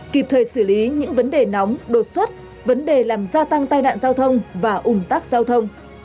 kịp thời xử lý những vấn đề nóng đột xuất vấn đề làm gia tăng tai nạn giao thông và ủng tắc giao thông